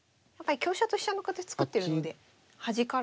香車と飛車の形作ってるので端から。